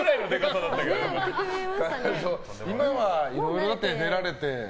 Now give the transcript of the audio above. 今はいろいろだって出られて。